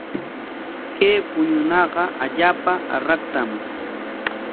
Kay puñunaqa allaapa raktam.